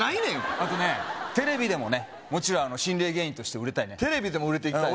あとねテレビでもねもちろん心霊芸人として売れたいねテレビでも売れていきたいの？